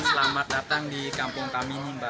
selamat datang di kampung kami ini mbak